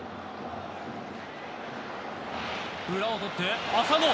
裏を取って浅野。